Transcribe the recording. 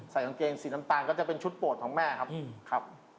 ใส่ของเกงสีน้ำตาลก็จะเป็นชุดโปรดของแม่ครับ